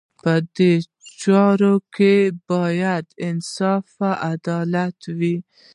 په دې چارو کې باید انصاف او عدل وي.